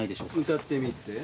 歌ってみて。